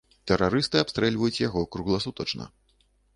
Тэрарысты абстрэльваюць яго кругласутачна.